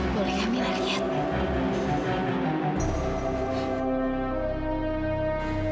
boleh kami lihat